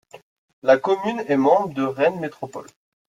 La commune est membre de Rennes Métropole.